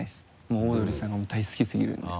もうオードリーさんが大好きすぎるんで。